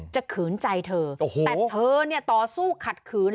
ขืนใจเธอแต่เธอเนี่ยต่อสู้ขัดขืน